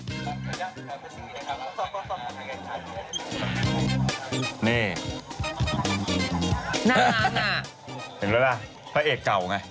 เห็นแล้วนะพระเอกเก่าไง